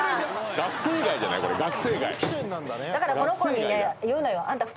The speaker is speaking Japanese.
だからこの子にね言うのよ。